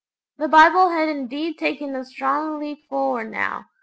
The Bible had indeed taken a strong leap forward now!